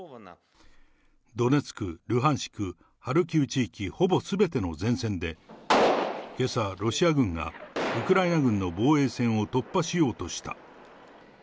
ドネツク、ルハンシク、ハルキウ地域、ほぼすべての前線で、けさ、ロシア軍がウクライナ軍の防衛線を突破しようとした。